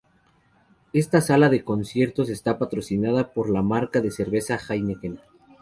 Esta sala de conciertos está patrocinada por la marca de cerveza Heineken.